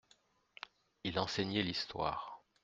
Il enseignait l'histoire.